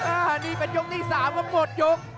อ่านี่เป็นยกที่๓แล้วหมดยก